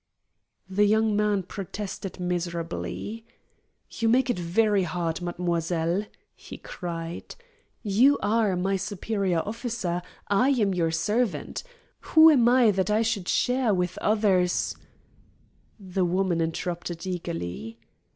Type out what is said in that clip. The young man protested miserably. "You make it very hard, mademoiselle," he cried. "You are my superior officer, I am your servant. Who am I that I should share with others " The woman interrupted eagerly.